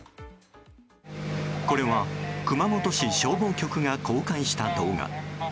これは熊本市消防局が公開した動画。